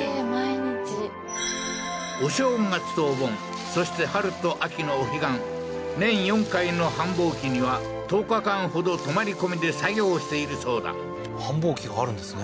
毎日お正月とお盆そして春と秋のお彼岸年４回の繁忙期には１０日間ほど泊まり込みで作業しているそうだ繁忙期があるんですね